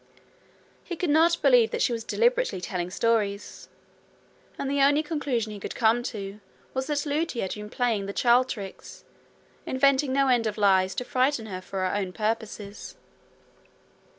He could not believe that she was deliberately telling stories, and the only conclusion he could come to was that Lootie had been playing the child tricks, inventing no end of lies to frighten her for her own purposes.